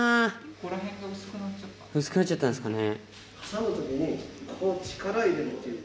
薄くなっちゃったんですかね。